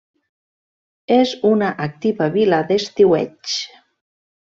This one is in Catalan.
És una activa vila d'estiueig.